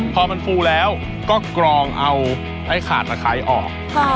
พอมันฟูแล้วก็กรองเอาไอ้ขาดตะไคร้ออก